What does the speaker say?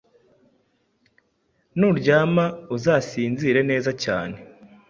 Nuryama uzasinzira neza cyane.